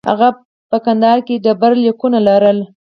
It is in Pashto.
هغه په کندهار کې ډبرلیکونه لرل